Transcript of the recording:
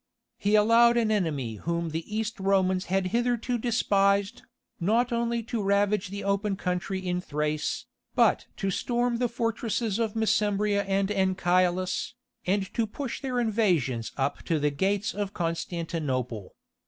He allowed an enemy whom the East Romans had hitherto despised, not only to ravage the open country in Thrace, but to storm the fortresses of Mesembria and Anchialus, and to push their invasions up to the gates of Constantinople.